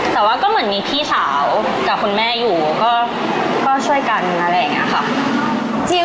แต่ว่าก็เหมือนมีพี่สาวกับคุณแม่อยู่ก็ช่วยกันอะไรอย่างนี้ค่ะ